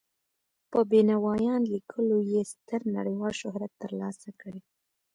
په بینوایان لیکلو یې ستر نړیوال شهرت تر لاسه کړی.